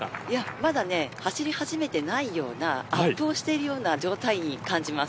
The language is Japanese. まだ走り始めていないようなアップをしているような状態に感じます。